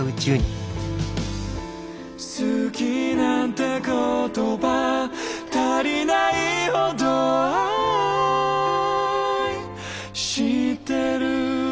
「好きなんて言葉足りないほど愛してる」